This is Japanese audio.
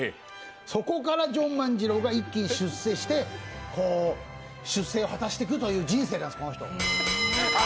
そこからジョン万次郎が一気に出世を果たしていくという人生なんです、この人。